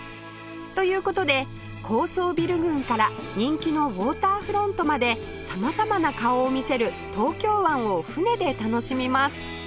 という事で高層ビル群から人気のウォーターフロントまで様々な顔を見せる東京湾を船で楽しみます